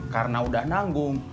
karena udah nanggung